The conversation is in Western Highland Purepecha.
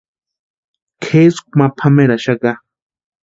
Kʼeskwa ma pameraxaka.